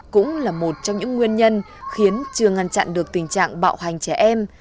cũng là một trong những nguyên nhân khiến chưa ngăn chặn được tình trạng bạo hành trẻ em